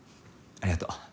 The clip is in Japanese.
ありがとう。